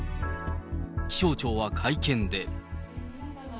気象庁は会見で。